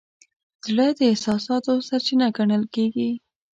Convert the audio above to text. زړه د احساساتو سرچینه ګڼل کېږي.